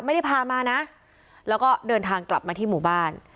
ไม่ได้พามานะแล้วก็เดินทางกลับมาที่หมู่บ้าน